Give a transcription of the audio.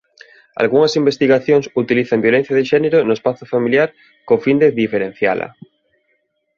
Algunhas investigacións utilizan violencia de xénero no espazo familiar co fin de diferenciala.